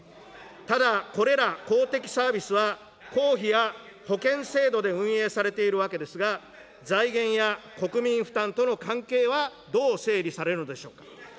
ただ、これら公的サービスは、公費や保険制度で運営されているわけですが、財源や国民負担との関係はどう整理されるのでしょうか。